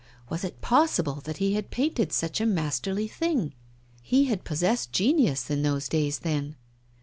Was it possible that he had painted such a masterly thing? He had possessed genius in those days then.